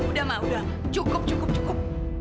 udah mah udah cukup cukup cukup